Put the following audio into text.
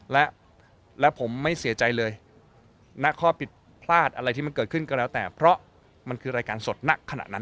และผมไม่เสียใจเลยณข้อผิดพลาดอะไรที่มันเกิดขึ้นก็แล้วแต่เพราะมันคือรายการสดณขณะนั้น